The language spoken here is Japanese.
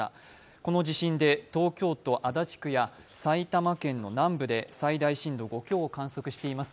この地震で東京都足立区や埼玉県の南部で最大震度５強を観測しています。